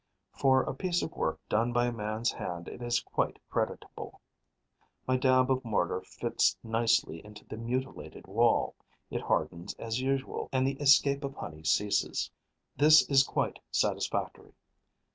For a piece of work done by a man's hand it is quite creditable. My dab of mortar fits nicely into the mutilated wall; it hardens as usual; and the escape of honey ceases. This is quite satisfactory.